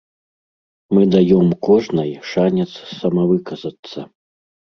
Мы даём кожнай шанец самавыказацца.